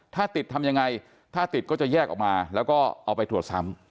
ถ้าติดทำยังไงถ้าติดก็จะแยกออกมาแล้วก็เอาไปตรวจซ้ำ